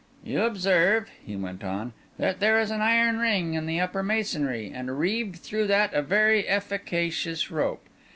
"You observe," he went on, "there is an iron ring in the upper masonry, and reeved through that, a very efficacious rope.